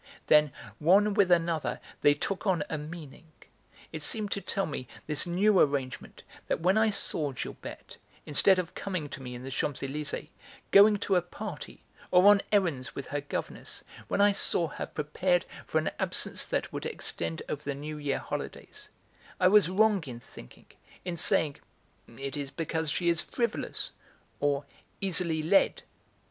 Then, one with another, they took on a meaning. It seemed to tell me, this new arrangement, that when I saw Gilberte, instead of coming to me in the Champs Elysées, going to a party, or on errands with her governess, when I saw her prepared for an absence that would extend over the New Year holidays, I was wrong in thinking, in saying: "It is because she is frivolous," or "easily lead."